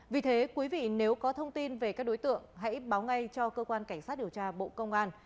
vì thế quý vị nếu có thông tin về các đối tượng hãy báo ngay cho cơ quan cảnh sát điều tra bộ công an